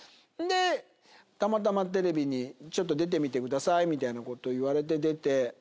でたまたまテレビに「ちょっと出てみてください」みたいなこと言われて出て。